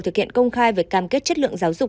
thực hiện công khai về cam kết chất lượng giáo dục